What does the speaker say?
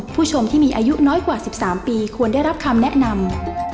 ผู้ชมที่มีอายุน้อยกว่า๑๓ปีควรได้รับคำแนะนำ